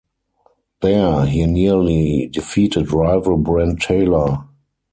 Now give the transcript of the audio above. There, he nearly defeated rival Brent Taylor.